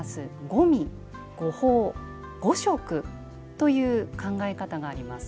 五味・五法・五色という考え方があります。